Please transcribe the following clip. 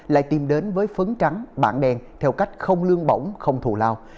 lại tìm đến với phấn trắng bạn đen theo cách không lương bổng không thù lao